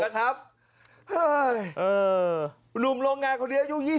หนุ่มโรงงานคนเดียวอยู่๒๘